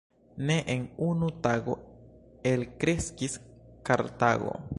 Ne en unu tago elkreskis Kartago.